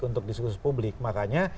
untuk diskursus publik makanya